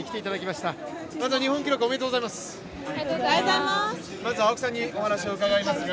まずは日本記録、おめでとうございます。